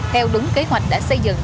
theo đúng kế hoạch đã xây dựng